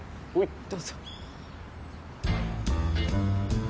どうぞ。